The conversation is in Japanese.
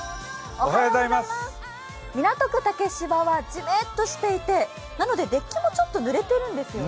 港区竹芝はじめっとしていてなのでデッキもちょっとぬれているんですよね。